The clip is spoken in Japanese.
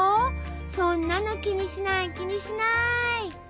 そんなの気にしない気にしない！